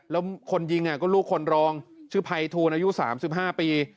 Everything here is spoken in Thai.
แล้วคนยิงอ่ะก็ลูกคนรองชื่อไพทูนอายุสามสิบห้าปี